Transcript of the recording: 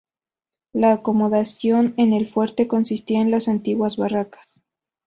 La acomodación en el fuerte consistía en las antiguas barracas.